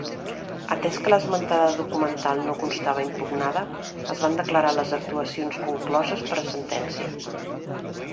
Atés que l'esmentada documental no constava impugnada, es van declarar les actuacions concloses per a sentència.